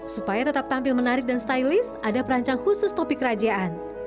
supaya tetap tampil menarik dan stylist ada perancang khusus topik kerajaan